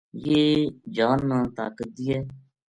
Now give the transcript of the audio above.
یہ جان نا طاقت دیئے